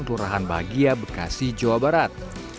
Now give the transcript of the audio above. kelurahan bahagia bekasi jawa barat